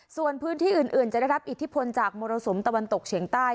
ส่วนพื้นที่อื่นจะได้รับอิทธิพลจากมรสุมตะวันตกเฉียงใต้